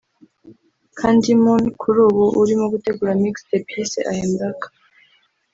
CandyMoon kuri ubu urimo gutegura mixtape yise 'I am back'